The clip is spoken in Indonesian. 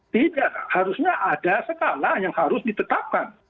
tidak harusnya ada skala yang harus ditetapkan